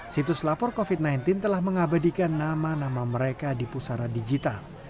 situs lapor covid sembilan belas telah mengabadikan nama nama mereka di pusara digital